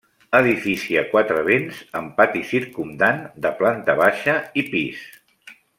Edifici a quatre vents amb pati circumdant, de planta baixa i pis.